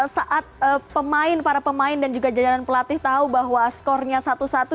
saat pemain para pemain dan juga jajaran pelatih tahu bahwa skornya satu satu